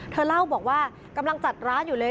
เธอเล่าบอกว่ากำลังจัดร้านอยู่เลย